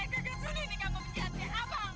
iya gue kesini nih kamu benjahat ya abang